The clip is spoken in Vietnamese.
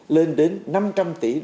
lên đến năm trăm linh tỷ usd